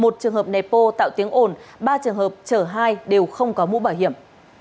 một trường hợp nẹp bô tạo tiếng ồn ba trường hợp chở hai đều không có mũ bảo hiểm